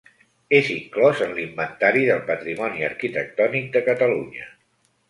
És inclòs en l'Inventari del Patrimoni Arquitectònic de Catalunya.